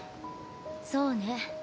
そうね。